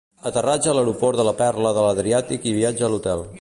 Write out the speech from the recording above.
Aterratge a l'aeroport de la Perla de l'Adriàtic i viatge a l'hotel.